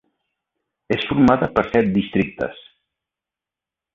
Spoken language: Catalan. És formada per set districtes.